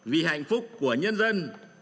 vì hạnh phúc của nhân dân